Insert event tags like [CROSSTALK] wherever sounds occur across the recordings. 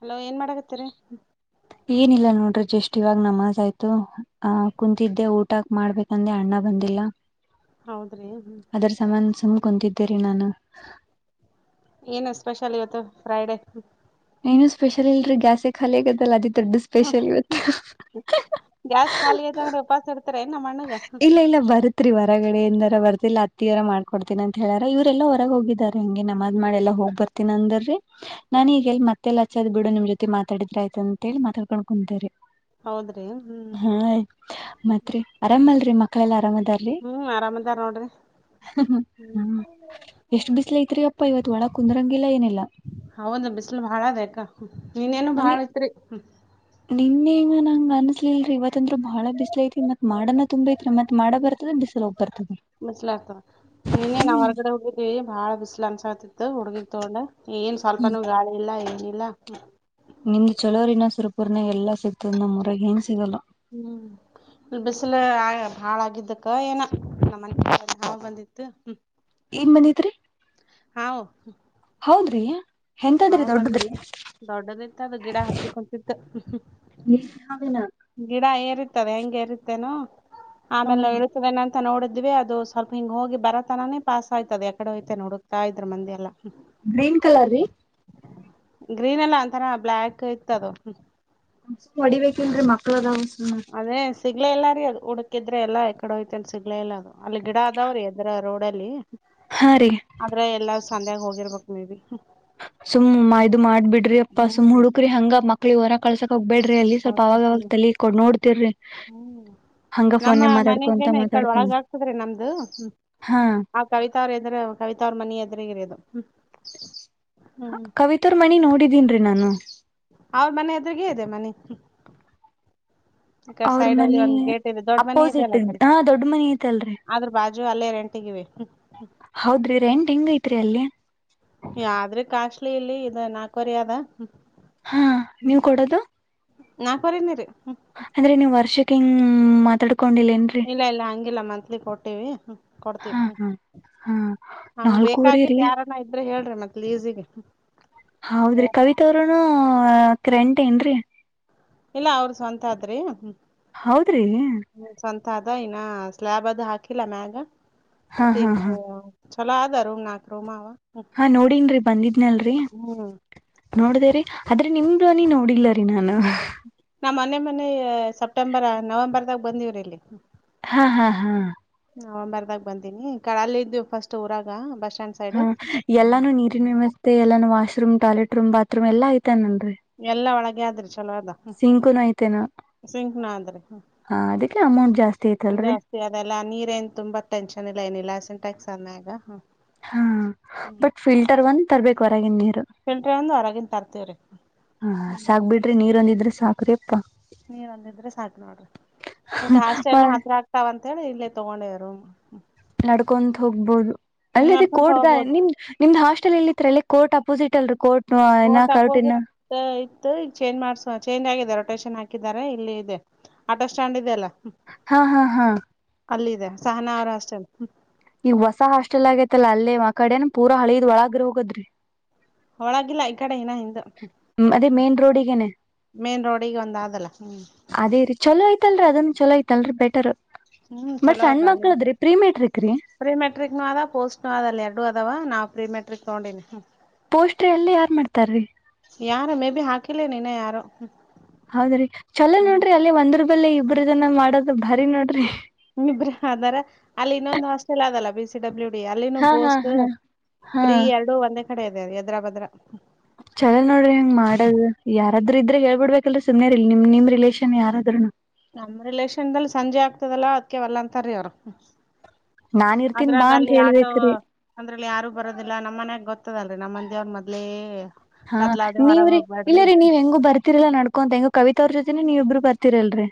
Hello ಏನ್ ಮಾಡಕತ್ತೀರಿ? ಏನಿಲ್ಲ ನೋಡ್ರಿ ಜಷ್ಟ್ ಇವಾಗ ನಮಾಜ್ ಆಯ್ತು ಆ ಕುಂತಿದ್ದೆ ಊಟಕ್ ಮಾಡ್ಬೇಕಂದೆ ಅಣ್ಣ ಬಂದಿಲ್ಲ. ಹೌದ್ರಿ ಅದರ ಸಮಾನ ಸುಮ್ ಕುಂತಿದ್ದೇರಿ ನಾನು. ಏನು ಸ್ಪೆಷಲ್ ಇವತ್ತು ಫ್ರೈಡೆ? ಏನು ಸ್ಪೆಷಲ್ ಇಲ್ರೀ ಗ್ಯಾಸೆ ಖಾಲಿಯಾಗೖದಲ್ಲ ಅದಿಕ್ ದೊಡ್ಡ ಸ್ಪೆಷಲ್ ಇವತ್ತು. ಗ್ಯಾಸ್ ಖಾಲಿ ಐತಂದ್ರೆ ಉಪವಾಸ ಇಡ್ತಾರ ಏನ್ ನಮ್ಮ ಅಣ್ಣಗ ಇಲ್ಲ ಇಲ್ಲ ಬರುತ್ರಿ ಹೊರಗಡೆ ಇಂದ. ರವರ್ದಿಲ್ಲ ಅತ್ತೀಯವ್ರೆ ಮಾಡಕೊಡ್ತೀನಿ ಅಂತ ಹೇಳಾರ ಇವ್ರರೆಲ್ಲ ಹೊರಗೆ ಹೋಗಿದಿದ್ದಾರೆ ಹಂಗೆ ನಮಾಜ್ ಮಾಡ್ ಎಲ್ಲೋ ಹೋಗ್ಬರ್ತೀನಿ ಅಂದ್ರು. ನಾನ್ ಈಗ ಎಲ್ಲಿ ಮತ್ತೆಲ್ಲ ಹಚ್ಚದ್ ಬಿಡು ನಿಮ್ ಜೊತೆ ಮಾತಡಿದ್ರೆ ಆಯ್ತ ಅಂತ ಹೇಳಿ ಮಾತಾಡ್ಕೊಂಡ್ ಕುಂತೇರಿ. ಹೌದ್ರಿ ಹ್ಮ್ ಹಾ ಮತ್ರಿ. ಅರಾಮಲ್ರಿ ಮಕ್ಕಳೆಲ್ಲಾ ಅರಾಮ್ ಅದಾರ್ರಿ. ಹ್ಮ್ ಆರಾಮದಾರ ನೋಡ್ರಿ ಹ್ಮ್ ಎಷ್ಟ್ ಬಿಸ್ಲ ಐತ್ರಿ ಅಪ್ಪ ಇವತ್ ಒಳ ಕುಂದರಂಗಿಲ್ಲ ಏನಿಲ್ಲಾ. ಹೌದ ಬಿಸಲು ಬಾಳ ಅದ ಅಕ್ಕ ನಿನ್ನೇನು ಬಾಳ ಇತ್ರಿ. ನಿನ್ನ ಹಿಂಗ್ ನಂಗ್ ಅನ್ಸಲಿಲ್ರಿ ಇವತ್ತಂದ್ರು ಬಾಳ ಬಿಸ್ಲ ಐತಿ ಮತ್ ಮೋಡನ ತುಂಬೖತಿ. ಹ್ಮ ಮಸ್ಲ ಆಡ್ತವ ನೀನ್ನೇ ನಾವ್ ಹೊರಗಡೆ ಹೋಗಿದ್ವಿ. ಬಾಳ ಬಿಸ್ಲು ಅನ್ಸಾತಿತ್ತು ಹುಡ್ಗಿಗ್ ತಗೊಂಡ ಏನ್ ಸ್ವಲ್ಪನೂ ಗಾಳಿಲ್ಲಾ ಏನಿಲ್ಲ. ನಿಂದು ಚಲೋರಿನ ಸುರಪೂರ್ನೆ ಎಲ್ಲಾ ಸಿಗ್ ತ್ತು ನಮ್ಮೂರಗೆ ಹೆಣ್ ಸಿಗಲ್ಲ. ಲ್ಲ ಹಾಳಾಗಿದ್ದಕ್ಕ ಏನೊ ನಮ ಹಾವ್ ಬಂದಿತ್ತು. ಏನ್ ಬಂದತ್ರಿ? ಹಾ ಹೌದ್ರಿ. ಎಂತದ್ರಿ ಹಾವ್ ದೊಡ್ಡದ್ರಿ ಬಂದಿತ್ತ್ ದೊಡ್ಡದಿತ್ತ ಅದು ಗಿಡ ಹತ್ತಿ ಕುಂತಿತ್ತು. [UNINTELLIGIBLE] ಗಿಡ ಏರಿತ್ತವೆ ಹೆಂಗ್ ಏರಿತ್ತೇನೊ ಆಮೇಲೆ ಇಳಸುವೇನಂತ್ ತ ನೋಡಿದ್ವಿ ಅದು ಸ್ವಲ್ಪ ಹಿಂಗ ಹೋಗಿ ಬರತರಾನೇ ಪಾಸ್ ಆಯ್ತದ ಯಾವ್ಕಡೆ ಹೋಯ್ತನ್ ಹುಡುಕ್ತಾಕ ಇದ್ರ ಮಂದಿ ಎಲ್ಲ. ಗ್ರೀನ್ ಕಲರ್ ರೀ. ಗ್ರೀನ್ ಅಲ್ಲ ಒಂಥರ ಬ್ಲಾಕ್ ಇತ್ತದು. ಹೊಡಿಬೇಕ ಅಂದ್ರೆ ಮಕ್ಳ ಅದಾವ್. ಅದೇ ಸಿಗ್ಲೇ ಇಲ್ಲ ರೀ ಅದು ಹುಡುಕಿದ್ರೆ ಎಲ್ಲ ಕಡೆ ಹೋಯ್ತಲ್ ಸಿಗ್ಲೇ ಇಲ್ಲ ಅದು ಅಲ್ಲಿ ಗಿಡ ಅದಾವ್ರೀ ಅದ್ರ ರೋಡ್ ಅಲ್ಲಿ ಹಾ ರೀ ಆದ್ರೆ ಎಲ್ಲ ಸಂಧ್ಯಾಗ ಹೋಗಿರಬೇಕು ಮೇಬಿ. ಸುಮ್ಮ ಇದು ಮಾಡ್ಬ್ ಬಿಡ್ರಿ ಅಪ್ಪಾ ಸುಮ್ ಹ್ಮ್ ಹುಕ್ರಿ ಹಂಗ ಮಕ್ಳಿ ಹೊರ ಕಳ್ಸಕ್ ಬೇಡ್ರಿ ಅಲ್ಲಿ ಸ್ವಲ್ಪ ಅವಾಗವಾಗ ತಲಿ ಕೊ ನೋಡ್ತಿರ್ರಿ. ಹ್ಮ್ ಹಂಗ ನಮ್ಮ ಫೋನ್ಯಾಗ ಮಾತಾಡ್ಕೊಂತ ಮನೆಗೇನ ಈ ಕಡ್ ಮಾತಾಡ್ಕೊಂತ ಒಳಗಾಗ್ತದ್ರೀ ನಮ್ದು ಹ್ಮ್. ಹಾ ಆ ಕವಿತಾವ್ರ ಎದ್ರೆ ಕವಿತವ್ರ್ ಮನಿ ಎದ್ರಿಗೇ ಇರೊದು. ಕವಿತರ್ಮನಿ ನೋಡಿದೀನ್ರಿ ನಾನು. ಅವ್ರ ಮನೆ ಅದ್ರಗ ಇದೆ ಮನೆ ಈ ಕಡೆ ಅವ್ರ ಸೈಡ್ ಅಲ್ಲಿ ಮನಿ ಒಂದ್ ಗೇಟ್ ಇದೆ ದೊಡ್ಡ ಅಪೋಸಿಟ್ ಮನ ಹಾ ದೊಡ್ಡ ಮನಿ ಐತಲ್ರರಿ ಅದರ ಬದಲು ಅ ಅಲ್ಲೇ ರಂಟಗಿವಿ ಹೌದ್ರಿ ರೆಂಟ್ ಹೆಂಗ ಐತ್ರೀಯಲ್ಲಿ ಯಾದ್ರಿ ಕಾಸ್ಟ್ಲಿ ಇಲ್ಲಿ ಇದ ನಾಲ್ಕವರೆ ಅದ ಹಾ ನೀವ್ ಕೊಡದು ನಾ ಕೊರ ನೀ ರ ಅಂದ್ರೆ ನೀವ್ ವರ್ಷಕ್ಕ ಇಂಗ್ ಮಾತಾಡಿಕೊಂಡಿದೇನ್ರಿ ಇಲ್ಲ ಇಲ್ಲ ಮಂತ್ಲಿ ಕೊಟ್ಟಿವವಿ ಕೊಡ್ತೀವಿ ಹಾ ಹಾ ಹಾ ಹಂಗ ನಾಲ್ಕೂವರೆ ರೀ ಬೇಕಾಗಿತ್ತು ಯಾರನ ಇದ್ರೆ ಹೇಳ ಮತ್ತು ಲೀಸಿಗೆ ಹೌದ್ರಿ ಕವಿತ ಅವ್ರೂನು ಕ್ರಂಟ ಏನ್ರೀ ಇಲ್ಲ ಅವ್ರ ಸ್ವಂತ ಆದ್ರಿ ಹೌದ್ರೀ ದ ಇನ ಸ್ಲ್ಯಾಬ್ ಅದು ಹಾಕಿಲ್ಲ ಮ್ಯಾಗ ಹಾ ತಿ ಹಾ ಹಾ ಛಲಾದರೂ ಆದಾರರುಮ ನಾಕ ರೂಮವಾ ಹಾ ನೋಡನ್ರಿ ಬಂದಿದ್ನಲ್ರರಿ ಹ್ಮ್ ನೋಡ್ದೇರರಿ ಆದ್ರೆ ನಿಮ್ದನಿ ನೋಡಿಲ್ಲ ರೀ ನಾನು ನಮ್ಮ್ ಮನೆ ಮನೆ ಸೆಪ್ಟೆಂಬರ್ ನವೆಂಬರ್ದಾಗ ಬಂದಿವ್ರ ಇಲ್ಲಿ ಹಾ ಹಾ ಹಾ ನಾ ಬರ್ದಾಗ ಬಂದಿನಿ ಕಡಲ್ಲಿ ಇದ್ವಿ ಫಸ್ಟ್ ಊರಾಗ ಬಸ್ [UNINTELLIGIBLE] ಹಾ ಎಲ್ಲಾನು ನೀರಿನ ವ್ಯವಸ್ಥೆ ಎಲ್ಲಾನು ವಾಮ್ ಟಾಯ್ಲೆಟ್ ರೂಮ್ ಬಾತ್ರೂಮ್ ಎಲ್ಲಾ ಐತನನ್ರಿ ಎಲ್ಲಾ ಒಳಗೆ ಆದ್ರಿ ಚಲೋ ಅದ ಸಿಂಕುನು ಐತೆೇನೋ ಸಿಂಕಣ ಆದ್ರೆ ಹ ಅದಕ್ಕೆ ಅಮೌಂಟ್ ಜಾಸ್ತಿ ಐತಲ್ರರಿ ಜಾಸ್ತಿ ಅದೆಲ್ಲ ನೀ ಇಏನ್ ತುಂಬಾ ಟೆನ್ ಇಲ್ಲ ಏನಿಲ್ಲಾಸ ಟಕ್ಸ್ ಅನ್ನಗ ಹಾ ಬಟ್ ಫಿಲ್ಟರ್ ಒಂದ್ ತರ್ಬೇಕು ಹೊರಗೆ ನೀ ಫಿಲ್ಟರ್ ಒಂದು ಹೊರಗನ್ ತರ್ತವ್ರಿ ಹ್ಮ ಫಿಲ್ಟರ್ ಸಾಖರೇಪ್ಪ ನೀರ್ ಒಂದಿದ್ರೆ ಸಾಕ ನೋಡ್ರಿ ನನ್ಗೆ ಹಾಸ್ಟೆಲ್ ಹತ್ರ ಆಗ್ತಾವಂತ ದಡ ಇಲ್ಲೇ ತೊಗೊಂಡೇವರ [UNINTELLIGIBLE] ನಡ್ಕೊಂತ ಹೋಗ್ಬೋದು ಅಲ್ಲದ ನಡ್ಕೊಂತ ಕೋಡ್ದ ಹೋಗ್ಬೋದು ನಿಮ ನಿಮ ಹಷ್ಟ ಎಲ್ಲಿ ಕೋರ್ಟ್ ಅಪೋಸಿಟ್ಲ್ ಕೋರ್ಟ್ ಇನ್ನ ಕೋಟ ಕರ್ಟ್ ಇನ್ನ ಅಪೋಸಿಟ್ ಇತ್ತು ಈಗ ಚೇಂಜ್ ಮಡ್ಜರ್ ಚೇಂಜ್ ಆಗಿದೊ ಆಟಷನ್ ಹಾಕಿದ್ದಾರೆ ಇಲ್ಲಿ ಇದೆ ಆಟೋ ಸ್ಟ್ಯಾಂಡ್ ಇದೆ ಅಲ್ಲಾ ಹಾ ಹಾ ಹಾ ಅಲ್ಲ ಇದೆ ಸಹನ ಅವರ ಹಾಸ್ಟೆಲ್ ನೀವ್ ಹೊಸ ಹಾಸ್ಟೆಲ್ ಆಗೇತಲ್ಲಾ ಅಲ್ಲೇ ಆ ಕಡೆನ ಪೂರಾ ಹಳದ್ ಒಳಗ್ರ ಹೋಗದ್ರಿ ಹಳಾಗಿಲ್ಲ ಈ ಕಡೆ ಇನ ಹಿಂದ ಅದೇ ಮೇನ್ ರೋಡ್ಗನೆ ಮೇನ್ ರೋಡಿಗೆ ಒಂದ್ ಆದಲ್ಲ ಹ್ಮ್ ಅದೇ ರೀ ಚಲೋ ಆಯ್ತ ಲ್ರ ಅದನ್ನ ಚಲ ಐತ್ಲ್ರೀ ಬೆಟರ್ ಹ್ಮ್ ಬಟ್ ಚಲೋ ಸಣ್ಣ ಅದ ಅಲ್ಲಿ ಮಕ್ಳದ್ರೀ ಪ್ರೀಮಿಯ ಪ್ರೀ ಮೆಟ್ರಿಕ್ನು ಅದ ಪೋಸ್ಟ್ನು ಅದ ಅಲ್ಲಿ ಎರಡು ಅದಾವ ನಾವು ಪ್ರೀ ಮೆಟ್ರಿಕ್ ತಗೊಂಡೀನಿ ಪೋಸ್ಟ್ರು ಎಲ್ಲಿ ಯಾರ್ ಮಾಡ್ತಾರ್ರಿ ಯಾರು ಮೇ ಬಿ ಹಾಕಿಲ್ಲ ಇನ ಯಾರು ಹೌದ್ರಿ ಚಲೋ ಹ್ಮ್ ನೋಡ್ರಿ ಅಲ್ಲಿ ಒಂದ್ರ ಬಲ್ಲ ಇಬ್ರದನ ಮಾಡೋದ ಬಾರಿ ನೋಡ್ರಿ ಇಬ್ರ ಆದಾರ ಅಲ್ಲಿ ಇನ್ನೊಂದು ಹಾಸ್ಟೆಲ್ ಆದಲ್ಲ ಬಿ ಸಿ ಡಬ್ಲ್ಯೂ ಡಿ ಅಲ್ಲಿನ ಹಾ ಹಾ ಪೋಸ್ಟ್ ಹಾ ಫ್ರೀ ಎರಡುೂ ಒಂದೇ ಕಡೆ ಇದೆ ಹೆದ್ರಾ ಬದ್ರ ಚೊಲ ನೋಡ್ರಿ ಹಂಗ ಮಾಡದು ಯಾರಾದ್ರರು ಇದ್ರೆ ಹೇಳ್ಬಿಡ್ಬೇಕಲ್ರ ಸುಮ್ನೆ ರಿ ನಿಮ್ ನಿಮ್ ರಿಲೇಷನ್ ಯಾರಾದ್ರುನು ನಮ್ ರಿಲೇಷನ್ಲ್ಲಿ ಸಂಜೆ ಆಗ್ತದಲ್ಲ ಅದ್ಕ ವಲ್ಲಂತಾರೀ ಅವರು ನಾನ್ ಇರ್ತೀನ್ ಅದ್ರಾಗ ಬಾ ಅಂತ ಅಲ್ಲಿ ಆಟೋ ಹೇಳ್ಬೇಕ್ರಿ ಅಂದ್ರಲ್ಲಿ ಯಾರು ಬರೋದಿಲ್ಲ ನಮ್ಮ್ ಮನ್ಯಾಗ ಗೊತ್ತ ಇರ್ತದಲ್ರಿ ನಮ್ಮಂದೆವ್ರ ಮೊದಲೇ ಹಾ ನೀವ್ರೀ ಇಲ್ಲರೀ ನೀವ್ ಹೆಂಗು ಬರ್ತಿರಲ್ಲಾ ನಡ್ಕೊಂತ ಹೆಂಗು ಕವಿತಾ ಅವ್ರ ಜೊತೆನ ನೀವ ಇಬ್ರು ಬರ್ತಿರಲ್ರರಿ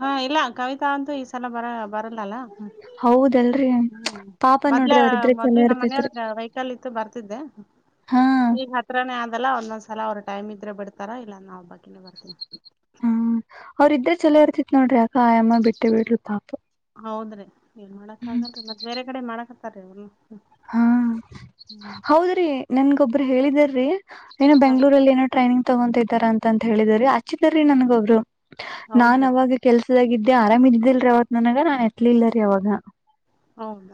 ಹಾ ಇಲ್ಲ ಕವಿತಾ ಅಂತೂ ಈ ಸಲ ಬರ ಬರಲ್ಲಲ್ಲ ಹೌದಲ್ರಿ ಪಾಪ ಮೊದ್ಲ ನೋಡ್ರಿ ಅವ್ರಿದ್ರೆ ಚಲೋ ಮೊದ್ಲ್ ನಮ್ಮ್ ಇರ್ತಿತ್ರಿ ಮನೆಯವ್ರ ವೈಕಾಲ್ ಇತ್ತು ಬರ್ತಿದ್ದೆ ಹಾ ಈಗ ಹತ್ರನೇ ಆದದಲ್ಲ ಒಂದೊಂದ್ಸಲ ಅವ್ರ ಟೈಮ್ ಇದ್ರೆ ಬಿಡ್ತಾರ ಇಲ್ಲಾ ಅಂದ್ರ ನಾವ್ ಒಬ್ಬಕಿನೆ ಬರ್ತೀವಿ ಹ್ಮ ಅವ್ರ ಇದ್ರೆ ಚಲೋ ಇರ್ತಿತ್ ನೋಡ್ರಿ ಅಕ ಆಯಮ್ಮ ಬಿಟ್ಟೆ ಬಿಟ್ರು ಪಾಪ ಹೌದ್ರಿ ಇಲ್ ಮಾಡಕ್ ಆಗಲ್ರಿ ಮತ್ತ ಬೇರೆ ಕಡೆ ಮಾಡಕತ್ತಾರ್ ಹಾ ಹೌದ್ರಿ ನನ್ಗೊಬ್ಬ್ರ ಹೇಳಿದರ ರೀ ಏನ ಹಾ ಬೆಂಗಳೂರ ಅಲ್ಲಿ ಏನೋ ಟ್ರೈನಿಂಗ್ ತಗೊತಾ ಇದಾರ ಅಂತ ಹೇಳಿದ್ರರಿ ಆಚ್ಚಚಿದ್ರೀ ನನ್ಗೊ ಅವ್ರು ನಾನ್ ಹೌದ್ರಿ ಅವಾಗ ಕೆಲ್ಸದಾಗಿದ್ದೆ ಆರಾಮ್ ಇದಿದ್ದಿಲ್ರಿ ಅವತ್ ನನಗ ನಾ ಎತ್ಲಿಲ್ಲರಿ ಅವಾಗ ಹೌದ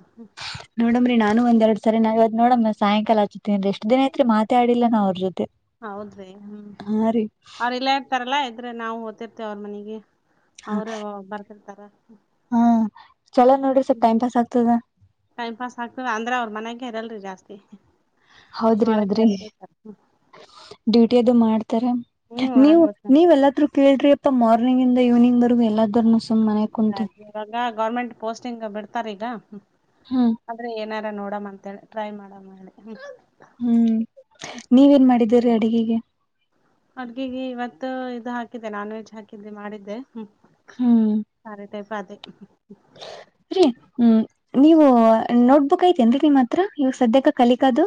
ನೋಡಮ್ರೀ ನಾನು ಒಂದ್ ಎರಡ್ ಸರಿ ನಾವ್ ನೋಡಮ ಸಾಯಂಕಾಲ ಹಚ್ಚ ಎಷ್ಟ ದಿನ ಐತ್ರಿ ಮಾತಾಡಿಲ್ಲ ನಾ ಅವ್ರ ಜೊತೆ ಹೌದ್ರಿ ಹ್ಮ್ ಹಾ ರೀ ಅವ್ರ ಇಲ್ಲಾ ಇರ್ತಾರಲ್ಲಾ ಇದ್ರೆ ನಾವು ಹೊತಿರ್ತೇವೆ ಅವ್ರ ಮನೆಗೆ ಅವರ ಬರ್ತಿರ್ತಾರ ಹಾ ಚಲೋ ನೋಡ್ರಿ ಸ್ವಲ್ಪ್ ಹ್ಮ್ ಟೈಮ್ ಪಾಸ್ ಆಗ್ತದ ಟೈಮ್ ಪಾಸ್ ಆಗ್ತದೆ ಅಂದ್ರೆ ಅವ್ರ ಮನ್ಯಗೆ ಇರಲ್ರಿ ಜಾಸ್ತಿ ಹೌದ್ರಿ ಹೊರಗೆ ಹೌದ್ರಿ ಇರ್ತಿರ್ತಾರ ಡ್ಯೂಟಿ ಅದು ಮಾಡ ಹ್ಮ್ ನೀ ಹೊರಗ್ ಹೋಗ್ತಾರ ನೀವ ಎಲ್ಲಾದ್ರೂ ಕೇಳ್ರಿ ಅಪ್ಪ ಮಾರ್ನಿಂಗ್ ಇಂದ ಇವ್ನಿಂಗ್ ವರೆಗೂ ಎಲ್ಲಾದ್ರೂ ಇವಾಗ ಗೌರ್ಮೆಂಟ್ ಪೋಸ್ಟಿಂಗ್ ಬಿಡ್ತಾರ ಈಗ ಹ್ಮ್ ಆದ್ರೆ ಏನ ನೋಡಮ್ ಅಂತೇಳಿ ಟ್ರೈ ಮಾಡಮ್ ಅಂತ ಹ್ಮ್ ನೀವೇನ್ ಮಾಡಿದೀರಿ ಅಡಗೆಗೆ ಅಡ್ಗಿಗೆ ಇವತ್ತು ಇದು ಹಾಕಿದ್ದಿದೆ ನಾನ್ ವೆಜ್ ಹಾಕಿದೆ ಮಾಡಿದ್ದೆ.... ಹ್ಮ್ [UNINTELLIGIBLE] ರೀ ಹ್ಮ್.... ನೀವು ನೋಟ್ ಬುಕ್ ಐತೆನ್ ರೀ ನಿಮ್ಮ ಹತ್ರ ಇವ ಸದ್ಯಕ್ಕೆ ಕಲಿಕಾದು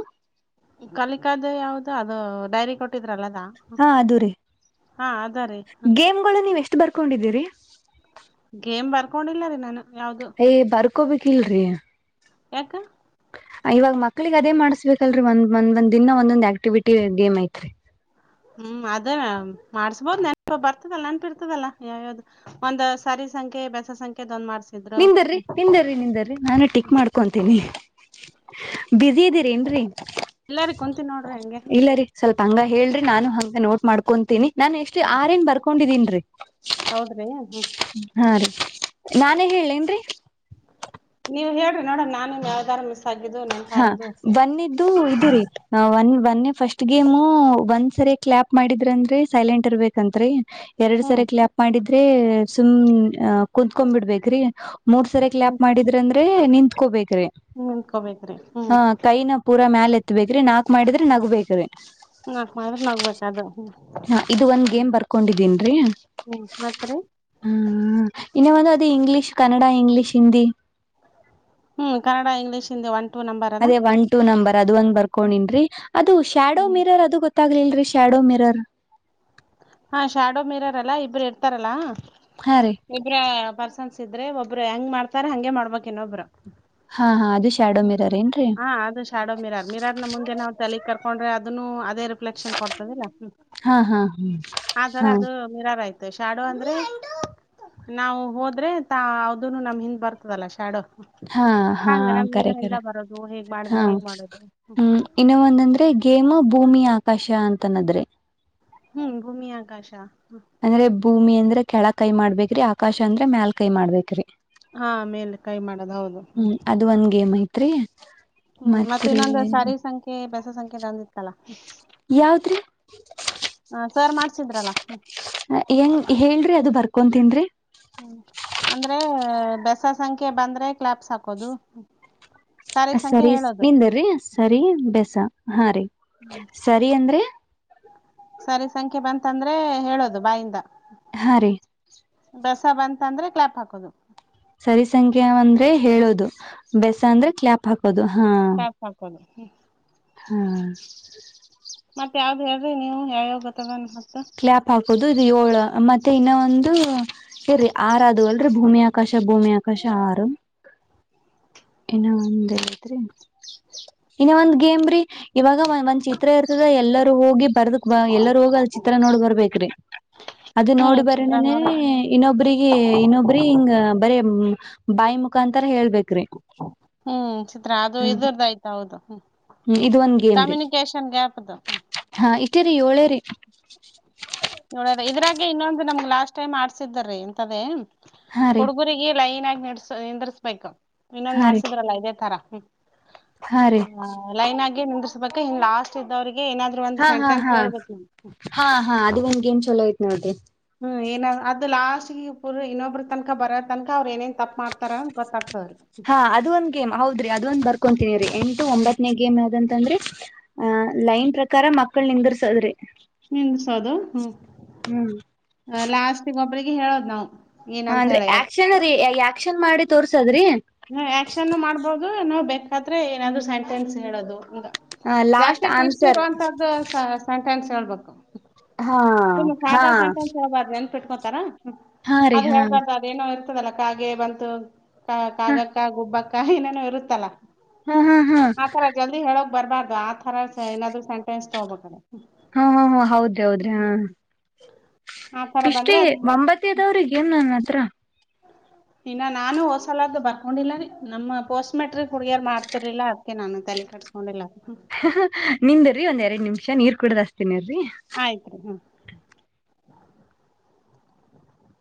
ಕಲಿಕದು ಯಾವ್ದ ಅದು ಡೈರಿ ಕೊಟ್ಟ ಹಾ ಅದು ರೀ ಹಾ ಅದ ರೀ ಗೇಮ್ಗಳು ನೀವು ಎಷ್ಟು ಬರ್ಕೊಂಡಿದ್ದೀರಿ ಗೇಮ್ ಬರ್ಕೊಂಡಿಲ್ಲ ರೀ ನಾನು ಯಾವ್ದು ಯೇ.. ಬರ್ಕೋಬೇಕಿಲ್ರಿ ಯಾಕ ಇವಾಗ ಮಕ್ಳಿಗೆ ಅದೇ ಮಾಡ್ಸಕಲ್ರರಿ ಒಂದ್ ಒಂದ್ ಒಂದ್ ದಿನ ಒಂದೊಂದ್ ಆಕ್ಟಿವಿಟಿ ಗೇಮ್ ಐತ್ರಿ ಹ್ಮ್ ಅದೇ ಮಾಡ್ಸ್ಬೋದ್ ನೆನಪ ಬರ್ತದಲ್ಲಾ ನೆನ್ಪಿರ್ತದಲ್ಲ ಯಾವ್ಯಾವ್ದು ಒಂದ್ ಸರಿ ಸಂಖ್ಯೆ ಬೆಸ ಸಂಖ್ಯೆ ಮಾಡಸ ನಿಂದರಿ ನಿಂದ್ರರಿ ನಿಂದರಿ ನಾನು ಟಿಕ್ ಮಾಡ್ಕೊಂತೀನಿ ಬಿಜಿ ಇದ್ದೀರಿ ಏನ್ರರಿ ಎಲ್ಲಾರಿ ಕುಂತೀನ್ ನೋಡ್ರಿ ಹಂಗೆ ಇಲ್ಲ ರೀ ಸ್ವಲ್ಪ ಹಂಗ ಹೇಳ್ರಿ ನಾನು ಹಂಗ ನೋಟ್ ಮಾಡ್ಕೊತೀನಿ ನಾನ್ ಎಷ್ಟು ಹ್ಮ್ ಆರೆನ್ ಬರ್ಕೊಂಡಿದೀನ್ ರೀ ಹೌದ್ರಿ ಹ್ಮ್ ಹಾ ರೀ ನ ಏನ್ರಿ ನೀವು ಹೇಳರಿ ನೋಡಮ್ ನಾನು ಯಾವ್ದಾರ ಆಗಿದ್ದು ನನ್ ಹಾ ತಾರಿದು ಒನೆದ್ದು ಇದು ರೀ ಒನ್ ಒನ್ ಮೊನ್ನೆ ಫಸ್ಟ್ ಗೇಮು ಒಂದ್ ಸರಿ ಕ್ಲಾಪ್ ಮಾಡಿದ್ರ ಅಂದ್ರೆ ಸೈಲೆಂಟ್ ಇರ್ಬೇಕತ್ರಿ ಎರಡ್ ಸರ ಹ್ಮ್ ಕ್ಲ್ಯಾಪ್ ಮಾಡಿದ್ರೆ ಸುಮ್ ಕುತ್ಕ ಬಿಡ್ಬೇಕೇರಿ ಮೂರ್ ಸರ ಕ್ಲಪ್ ಹ್ಮ್ ಮಾಡಿದ್ರ ಅಂದ್ರೆ ನಿತ್ಕೋಬೇಕ್ರಿ ನಿಂತ್ಕೋಬೇಕ್ರಿ ಹ್ಮ್ ಹ ಕೈನ ಪೂರ ಮ್ಯಾಲ ಎತ್ತಬೇಕ್ರಿ ನಾಕ್ ಮಾಡಿದ್ರೆ ನಗಬೇಕ್ರಿ ನಾಕ್ ಮಾಡಿದ್ರ ನಗ್ಬೇಕ ಅದು ಹಾ ಇದು ಒಂದ್ ಹ್ಮ್ ಗೇಮ್ ಬರ್ಕೊಂಡಿದ್ದೀನ್ ಹ್ಮ್ ಮತ್ರಿ ಹ್ಮ ಇನ್ನ ಒಂದು ಅದು ಇಂಗ್ಲೀಷ್ ಕನ್ನಡ ಇಂಗ್ಲೀಷ್ ಹಿಂದಿ ಹ್ಮ್ ಕನ್ನಡ ಇಂಗ್ಲೀಷ್ ಹಿಂದೆ ಒಂ ಅದೇ ಒನ್ ಟೂ ನಂಬರ್ ಅದು ಒಂದ್ ಹ್ಮ್ ಬರ್ಕೊಂಡನ್ರೀ ಅದು ಶ್ಯಾಡೋ ಹ್ಮ್ ಮಿರರ್ ಅದು ಗೊತ್ತ ಗತ್ತಾಗಲ್ರರಿ ಶ್ಯಾಡೋ ಮಿರರ್ ಹಾ ಶಾಡೋ ಮೀರಾರಲ್ಲಾ ಇಬರು ಇರ್ತಾರಲ್ಲಾ ಹಾ ರೀ ಇಬ್ರ ಪರ್ಸನ್ಸ್ ಇದ್ರೆ ಒಬ್ರು ಹೆಂಗ್ ಮಾಡ್ತಾರ ಹಂಗೆ ಮಾಡ್ಬೇಕ ಇನ್ನೊಬ್ರು ಹಾ ಹಾ ಅದ ಹ ಅದು ಶಾಡೋ ಮಿರಾರ್ ಮಿರಾರ್ನ ಮುಂದೆ ನಾವ್ ತಲೆ ಕರ್ಕೊಂಡ್ರೆ ಅದನ್ನು ಅದೇ ರಿಫ್ಲೆಕ್ಷನ್ ಕೊಡ್ತದಿಲ್ಲ ಹ್ಮ ಹಾ ಹಾ ಆದರ ಹಾ ಅದು ಮಿರಾರ್ ಆಯ್ತು ಮ ಶಾಡೋ ಅಂದ್ರೆ ನಾವು ಹೋದ್ರೆ ತಾ ಅದುನು ನಮ ಹಿಂದ್ ಬರ್ತದಲ್ಲ ಶಾಡೋ ಹಾ ಹಾ ಹಂಗ ನಮ್ ಹಿಂದ ಹಿಂದ ಬರೋದು ಹೇಗ್ ಹಾ ಮಾಡಿದ್ರೆ ಹೇಗ್ ಮಾಡೋದು ಹ್ಮ ಇನ್ನು ಒಂದಂದ್ರೆ ಗೇಮ್ ಭೂಮಿ ಹ ಪಷಾ ಅಂತನದ್ರೆ ಹ್ಮ್ ಭೂಮಿ ಆಕಾಶ ಅಂದ್ರೆ ಭೂಮಿ ಅಂದ್ರೆ ಕೆಳ ಕೈ ಮಾಡ್ಬೇಕ್ರಿ ಆಕಾಶ ಅಂದ್ರೆ ಮ್ಯಲ್ ಕೈ ಮಾಡ್ಬೇಕೇರಿ ಹಾ ಮೇಲೆ ಕೈ ಮಾಡ ಹ್ಮ್ ಅದು ಒಂದ್ಗೆೇಮ್ ಐತ್ರಿ ಹ್ಮ್ ಮತ್ತೆ ಮತ್ರಿ ಇನ್ನೊಂದು ಸಾರಿ ಸಂಖ್ಯೆ ಬೆಸ ಸಂಖ್ಯೆ ಇದೊಂದಿತ್ತಲ್ಲ ಯಾವದ್ರಿ ಸರ್ ಮಾಡ್ಸಿದ್ರಲ್ಲ ಹ್ಮ್ ಹೆಂಗ ಹೇಳ್ರಿ ಅದು ಬರ್ ಕುಂತನ್ರಿ ಹ್ಮ್ ಅಂದ್ರೆ ಬೆಸ ಸಂಖ್ಯೆ ಬಂದ್ರೆ ಕ್ಲಾಬ್ಸ್ ಹಾಕೋದು ಸಾರಿ ಸಂಖ್ಯೆ ಸರಿ ಹೇಳೋದು ನಿಂದರಿ ಸರಿ ಬೇಸ ಹಾ ರರಿ ಸರಿ ಅಂದ್ರೆ ಸರಿ ಸಂಖ್ಯೆ ಬಂತಂದ್ರೆ ಹೇಳೋದು ಬಾಯಿಂದ ಹಾ ರೀ ಬೆಸ ಬಂತ ಅಂದ್ರೆ ಕ್ಲಾಪ್ ಹಾಕೋದು ಸರಿ ಸಂಖ್ಯೆ ಅಂದ್ರೆ ಹೇಳೋದು ಬೆಸ ಅಂದ್ರೆ ಕ್ಲಾಪ್ ಹಾಕೋದು ಹಾ ಕ್ಲಾಪ್ ಹಾಕೋದು ಮತ್ ಹಾ ಯಾವ್ದ್ ನೀವು ಯಾವ ಯಾವ [UNINTELLIGIBLE] ಕ್ಲ್ಯಾಪ್ ಹಾಕೋದು ಇದು ಏಳು ಮತ್ತೆ ಇನ್ನ ಒಂದು ಆರದು ಅಲ್ರ ಭೂಮಿ ಆಕಾಶ ಭೂಮಿಯ ಆಕಾಶ ಆರು ಇನ್ನು ಒಂದ ಇನ್ನ ಒಂದ್ ಗೇಮ್ರೀ ಇವಾಗ ಒಂದ್ ಚಿತ್ರ ಇರ್ತದ ಎಲ್ಲರೂ ಹೋಗಿ ಬರ್ದಕ್ ಬ ಎಲ್ಲರೂ ಹೋಗಿ ಅದ ಚಿತ್ರ ನೋಡ್ ಬರ್ಬೇಕ್ರಿ ಅದು ಹ್ಮ್ ನೋಡಿ ಚಿತ್ರ ಬರಣನೇ ನೋಡ್ರಿ ಇನ್ನೊಬ್ರಿಗೆ ಇನ್ನೊಬ್ರ ಹಿಂಗ ಬ ಬಾಯಿ ಮುಖಾ ಅಂತಾರ ಹೇಳ್ಬೇಕ್ರಿ ಹ್ಮ್ ಚಿತ್ರ ಅದು ಇದರ್ದದು ಆಯ್ತ ಹೌದು ಹ್ಮ ಹ್ಮ್ ಇದ ಒಂದ್ ಗೇಮ್ ರಿ ಹ್ಮ್ ಹಾ ಇಟ್ಟೇರಿ ಏಳೇರಿ ನೋಡದ ಇದ್ರಾಗೆ ಇನ್ನೊಂದು ನಮ್ಗ್ ಲಾಸ್ಟ್ ಟೈಮ್ ಆಡ್ಸಿದ್ರ ಇಂತದೇ ಹಾ ರೀ ಹುಡುಗುರಿಗೆ ಲೈನ್ ಆಗಿ ನಡ್ಸ ನಿಂದ್ರಿಸ್ಬೇಕು ಇನ್ನೊಂದ್ ಹಾ ರೀ ಮಾಡಸಿದ್ರಲ್ಲ ಇದೇ ತರ ಹಾ ರೀ ಹ ಲೈನ್ ಆಗೇ ನಿಂದ್ರಿಸಬೇಕ ಇನ್ ಲಾಸ್ಟ್ ಇದ್ದವರಿಗೆ ಏನಾದ್ರು ಒಂದು ಹಾ ಹಾ ಸೆಂಟೆನ್ಸ್ ಹಾ ಹೇಳ್ಬೇಕು ನ ಹಾ ಹಾ ಅದೇ ಒಂದು ಗೇಮ್ ಚಲೋಐತ್ ನೋದೆ ಹ್ಮ್ ಏನ ಅದು ಲಾಸ್ಟ್ ಇಬ್ರು ಇನ್ನೊಬ್ರು ತನಕ ಬರ ತನಕ ಅವರು ಏನೇನ್ ತಪ್ಪ ಮಾಡ್ತಾರ ಗೊತ್ತಾಗತ ಹಾ ಅದ ಒಂದ್ ಗೇಮ್ ಹೌದ್ರಿ ಅದ ಒಂದ್ ಬರ್ಕೊತೀನಿ ರಿ ಎಂಟು ಹ್ಮ್ ಒಂಬತ್ತನೇ ಗೇಮ್ ಆದಂತ ಅಂದ್ರೆ ಆ ಲೈನ್ ಪ್ರಕಾರ ಮಕ್ಕಳ ನಿಂಗರ್ಸದ್ರೆ ನಿಂದಸೋದು ಹ್ಮ್ ಹ್ಮ್ ಲಾಸ್ಟ್ಗ ಒಬ್ರಿಗೆ ಹೇಳೋದು ನಾವು ಹ ಏನಂತ ಅಂದ್ರೆ ಹೇಳಿ ಆಕ್ಷನ್ ರೀ ಆಕ್ಷನ್ ಮಾಡಿ ತೋರ್ಸದ್ರಿ ಈ ನಾವ್ ಬೇಕಾದ್ರೆ ಏನಾದ್ರು ಸೆಂಟೆನ್ಸ್ ಹೇಳೋದು ಹ ಹ ಜಾಸ್ತಿ ಲಾಸ್ಟ್ ದೃಷ್ಟಿ ಆನ್ಸರ್ ಇರುವಂತದ್ದು ಸಂಟೆನ್ಸ್ ಹೇಳ್ಬೇಕು ಹಾ ತುಂಬಾ ಹಾ ಸಾದಾ ಸೆಂಟೆನ್ಸ್ ಹೆಳ್ಬಾರ್ದು ಅಂತ ಬಿಟ್ಕೊತಾರ ಹಾ ರೀ ಅದು ಹಾ ಹೇಳ್ಬಾರ್ದ ಅದೇಏನೋ ಇರ್ತದಲ್ಲ ಕಾಗೆ ಬಂತು ಕ ಹಾ ಕಾಗಕ್ಕ ಗುಬ್ಬಕ್ಕ ಏನೇನು ಇರುತ್ತಲ್ಲಾ ಹಾ ಹಾ ಹಾ ಆತರ ಜಲ್ದಿ ಹೇಳಕ್ ಬರ್ಬಾರ್ದು ಆ ತರ ಏನಾದ್ರು ಸೆಂಟೆನ್ಸ್ ತಗೋಬೇಕ್ರ ಹಾ ಹಾ ಹ ಹೌದ್ರಿ ಹೌದ್ರಿ ಹಾ ಆ ತರ ಇಷ್ಟೇ ಬಂದ್ರೆ ಅದ್ ಒಂಬತ್ತದವ್ರಗ ಏನ್ ನನ್ನ ಹ್ಮ ಇನ್ನ ನಾನು ಹೋಸಲದ್ದು ಬರ್ಕೊಂಡಿಲ್ಲ ರೀ ನಮ್ಮ ಪೋಸ್ಟ್ ಮೆಟ್ರಿಕ್ ಹುಡುಗೆರ್ ಮಾಡ್ತಿರ್ಲಿಲ್ಲ ಅದ್ಕೆ ನಾನು ತಲಕ ಕಟ್ಸ್ಕೊಂಡಿಲ್ಲಾ. ಹ ನಿಂದ್ರರಿ ಒಂದ್ ಎರಡ್ ನಿಮಿಷ ನೀರ್ ಕುೂಡದಾಸ್ತೀನಿರಿ. ಆಯ್ತ್ರಿ ಹಾ.